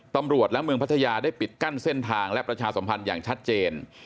ตำรวจและเมืองพัทยาได้ปิดกั้นเส้นทางและประชาสัมพันธ์อย่างชัดเจน